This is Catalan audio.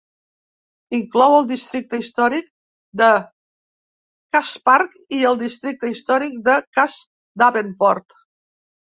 Inclou el districte històric de Cass Park i el districte històric de Cass-Davenport.